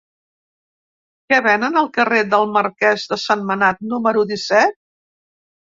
Què venen al carrer del Marquès de Sentmenat número disset?